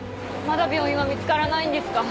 まだ病院は見つからないんですか？